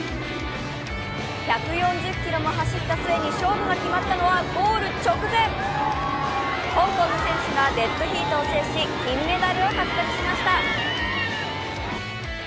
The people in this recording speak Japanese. １４０ｋｍも走った末に勝負が決まったのはゴール直前、香港の選手がデッドヒートを制し、金メダルを獲得しました。